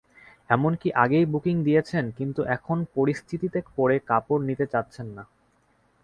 এমনকি আগেই বুকিং দিয়েছেন, কিন্তু এখন পরিস্থিতিতে পড়ে কাপড় নিতে চাচ্ছেন না।